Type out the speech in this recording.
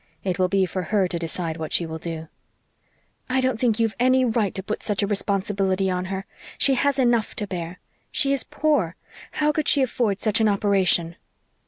It will be for her to decide what she will do." "I don't think you've any right to put such a responsibility on her. She has enough to bear. She is poor how could she afford such an operation?"